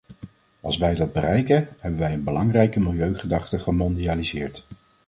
Als wij dat bereiken, hebben wij een belangrijke milieugedachte gemondialiseerd.